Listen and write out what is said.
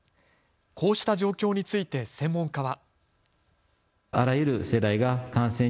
こうした状況について専門家は。